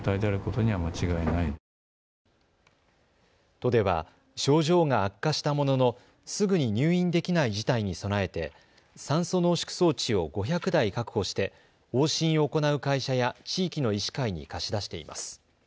都では症状が悪化したもののすぐに入院できない事態に備えて酸素濃縮装置を５００台確保して往診を行う会社や地域の医師会に貸し出しています。